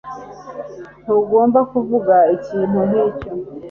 Ntugomba kuvuga ikintu nkicyo.